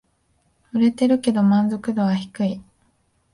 売れてるけど満足度は低い